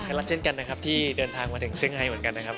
รักเช่นกันนะครับที่เดินทางมาถึงเซี่ไฮเหมือนกันนะครับ